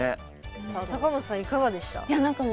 高本さん、いかがでしたか？